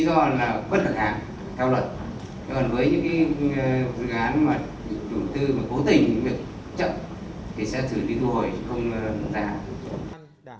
với những dự án mà chủ tư cố tình chậm thì sẽ xử lý thu hồi không giả hạn